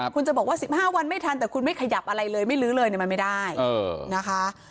คุณจะบอกว่า๑๕วันไม่ทันแต่คุณไม่ขยับอะไรเลยไม่ลื้อเลยมันไม่ได้นะคะ